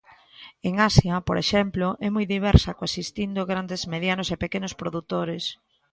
En Asia, por exemplo, é moi diversa, coexistindo grandes, medianos e pequenos produtores.